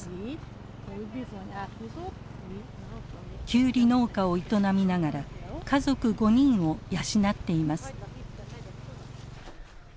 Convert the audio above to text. きゅうり農家を営みながら家族５人を養っています。